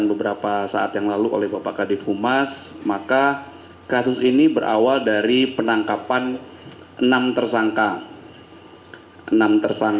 sebelumnya kami memastikan apakah empat pucuk senjata api yang kami gunakan